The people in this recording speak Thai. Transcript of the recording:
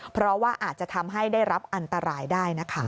เพราะว่าอาจจะทำให้ได้รับอันตรายได้นะคะ